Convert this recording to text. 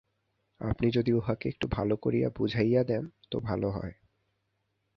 আপনি যদি উঁহাকে একটু ভালো করিয়া বুঝাইয়া দেন তো ভালো হয়।